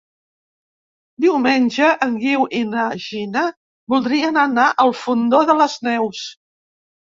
Diumenge en Guiu i na Gina voldrien anar al Fondó de les Neus.